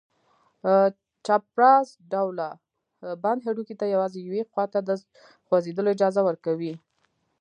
چپراست ډوله بند هډوکي ته یوازې یوې خواته د خوځېدلو اجازه ورکوي.